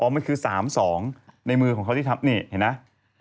อ๋อมันคือ๓๒ในมือของเขาที่ทำนี่เห็นมั้ย